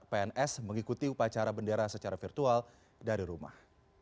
pns mengikuti upacara bendera secara virtual dari rumah